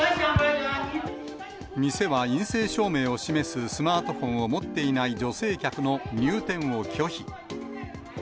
店は陰性証明を示すスマートフォンを持っていない女性客の入店を拒否。